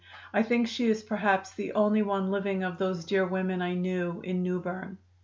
I think she is perhaps the only one living of those dear women I knew in New Berne.